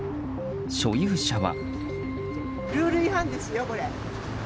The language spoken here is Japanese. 所有者は。